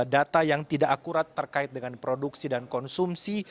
data yang tidak akurat terkait dengan produksi dan konsumsi